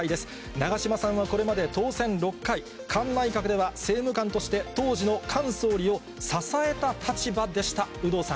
長島さんはこれまで当選６回、菅内閣では政務官として当時の菅総理を支えた立場でした。